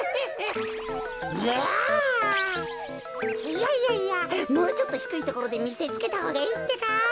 いやいやいやもうちょっとひくいところでみせつけたほうがいいってか。